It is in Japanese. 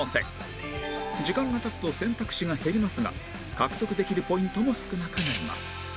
時間が経つと選択肢が減りますが獲得できるポイントも少なくなります